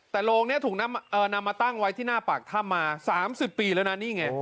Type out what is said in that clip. แต่โรงนี้ถูกนำมาตั้งไว้ที่หน้าปากถ้ำมา๓๐ปีแล้วนะนี่ไง